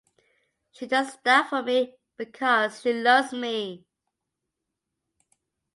She does stuff for me because she loves me.